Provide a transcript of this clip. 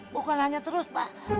bukan hanya terus pak